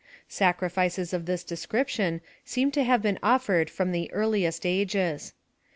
Sacri fices of this description seem to have been offered from the earliest ages.